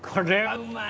うまい。